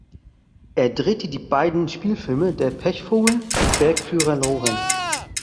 Er drehte die beiden Spielfilme „Der Pechvogel“ und „Bergführer Lorenz“.